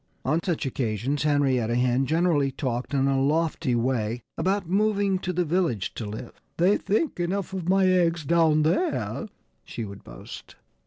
On such occasions Henrietta Hen generally talked in a lofty way about moving to the village to live. "They think enough of my eggs down there," she would boast.